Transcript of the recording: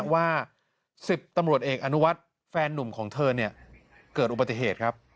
ว่า๑๐ตำรวจเอกอนุวัฒน์แฟนนุ่มของเธอเกิดอุบัติเหตุครับ